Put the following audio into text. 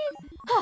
あ！